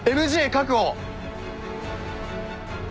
確保。